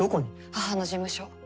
母の事務所。